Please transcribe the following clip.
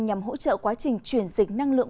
nhằm hỗ trợ quá trình chuyển dịch năng lượng